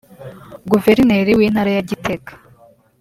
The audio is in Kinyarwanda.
Guverineri w’Intara ya Gitega